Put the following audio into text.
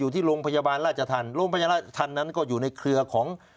อยู่ที่โรงพยาบาลราชธรรมโรงพยาบาลราชธรรมนั้นก็อยู่ในเครือของ